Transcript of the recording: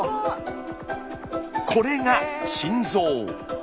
これが心臓。